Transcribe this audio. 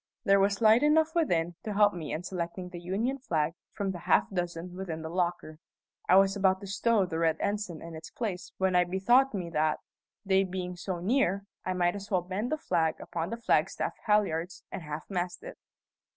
There was light enough within to help me in selecting the Union flag from the half dozen within the locker. I was about to stow the red ensign in its place when I bethought me that, day being so near, I might as well bend a flag upon the flagstaff halliards and half mast it.